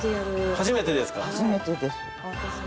初めてです。